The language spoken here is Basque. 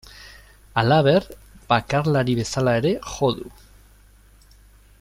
Halaber, bakarlari bezala ere jo du.